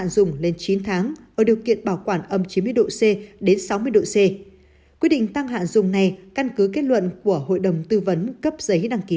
đến sáu mươi độ c quyết định tăng hạn dùng này căn cứ kết luận của hội đồng tư vấn cấp giấy đăng ký